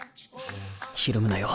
ひるむなよ。